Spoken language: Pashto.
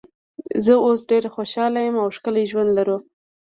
زه اوس ډېره خوشاله یم او ښکلی ژوند لرو.